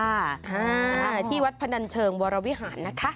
อ่าที่วัดพนันเชิงวรวิหารนะคะ